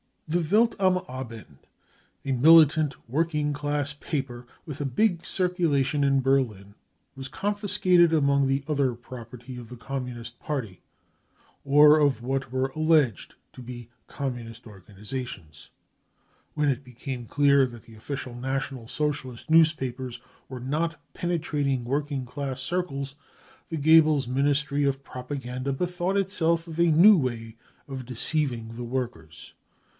55 The Welt am Abend , a militant working class paper with a big circulation in Berlin, was confiscated among the other property of the Communist Party, or of what were alleged to be Communist organisations. When it became clear that the official National Socialist newspapers were not pene trating working class circles, the Goebbels Ministry of Propaganda bethought itself of a new way of deceiving the workers.